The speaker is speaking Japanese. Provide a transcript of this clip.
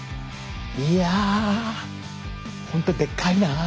いや本当でっかいなあ。